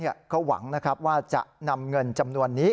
เขาหวังว่าจะนำเงินจำนวนนี้